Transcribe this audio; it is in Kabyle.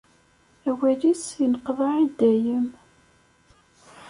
Awal-is inneqḍaɛ i dayem.